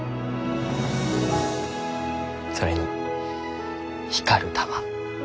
それに光る玉。